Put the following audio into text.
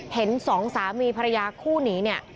สองสามีภรรยาคู่นี้เนี่ย